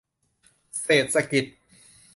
เศรษฐกิจ